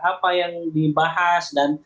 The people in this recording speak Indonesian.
apa yang dibahas dan